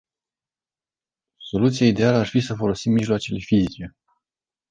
Soluția ideală ar fi să folosim mijloace fizice.